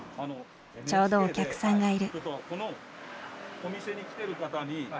ちょうどお客さんがいる。